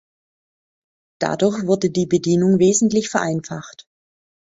Dadurch wurde die Bedienung wesentlich vereinfacht.